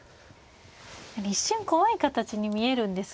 一瞬怖い形に見えるんですが。